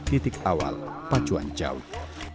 titik awal pacuan jauh